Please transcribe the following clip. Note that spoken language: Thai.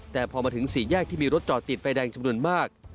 แต่พอมาถึงสี่แยกที่มีรถจอดติดไฟแดงจำนวนมาก